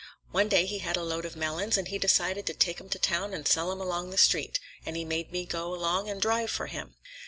One day he had a load of melons and he decided to take 'em to town and sell 'em along the street, and he made me go along and drive for him.